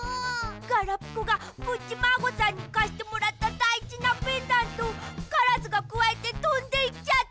ガラピコがプッチマーゴさんにかしてもらっただいじなペンダントをカラスがくわえてとんでいっちゃった！